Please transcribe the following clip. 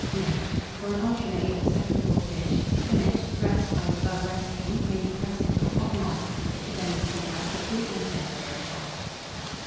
Note. For an entremets or second course dish, spinach, dressed by the above recipe may be pressed into a hot mould; it should then be turned out quickly, and served very hot.